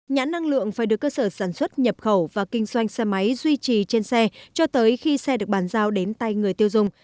nhãn năng lượng phải được cơ sở sản xuất nhập khẩu và kinh doanh xe máy duy trì trên xe cho tới khi xe được bán giao đến tay người tiêu dùng